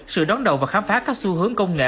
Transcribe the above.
sự đón đầu và khám phá các xu hướng công nghệ